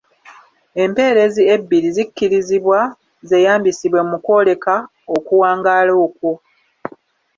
Empeerezi ebbiri zikkirizibwa zeeyambisibwe mu kwoleka okuwangaala okwo.